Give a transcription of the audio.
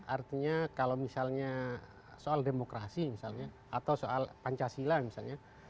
artinya kalau misalnya soal demokrasi misalnya atau soal pancasila misalnya